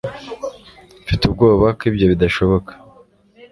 Mfite ubwoba ko ibyo bidashoboka